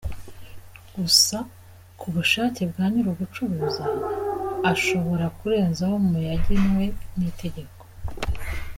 Gusa ku bushake bwa nyiri ugucuruza, ashobora kurenzaho ku yagenwe n’itegeko.